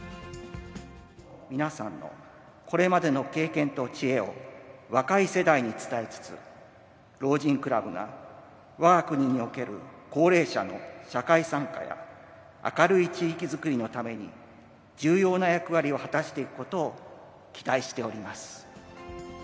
皆さんのこれまでの経験と知恵を若い世代に伝えつつ、老人クラブが、わが国における高齢者の社会参加や、明るい地域づくりのために重要な役割を果たしていくことを期待しております。